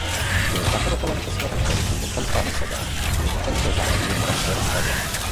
Byl zakladatelem českého spolku Občanská beseda i Občanské záložny v Moravské Ostravě.